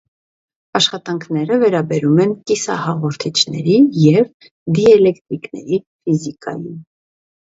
Աշխատանքները վերաբերում են կիսահաղորդիչների և դիէլեկտրիկների ֆիզիկային։